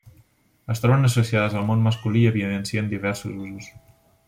Es troben associades al món masculí i evidencien diversos usos.